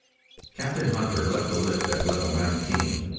IV Captain Hunter left the lift at Level Nineteen.